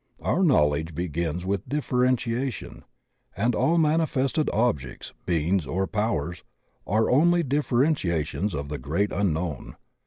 Our knowledge begins with differentiation, and all manifested objects, beings, or powers are only dif ferentiations of the Great Unknown.